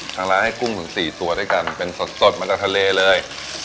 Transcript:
ทางร้านให้กุ้งถึง๔ตัวด้วยกันเป็นสดมาจากทะเลเลย